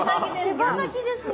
手羽先ですね。